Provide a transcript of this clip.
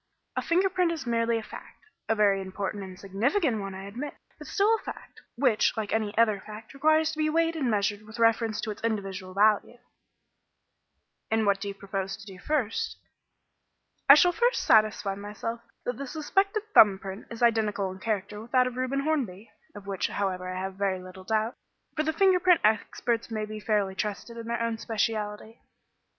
A finger print is merely a fact a very important and significant one, I admit but still a fact, which, like any other fact, requires to be weighed and measured with reference to its evidential value." "And what do you propose to do first?" "I shall first satisfy myself that the suspected thumb print is identical in character with that of Reuben Hornby of which, however, I have very little doubt, for the finger print experts may fairly be trusted in their own speciality."